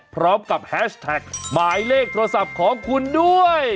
พร้อมกับแฮชแท็กหมายเลขโทรศัพท์ของคุณด้วย